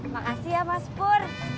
makasih ya mas pur